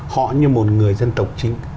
họ như một người dân tộc chính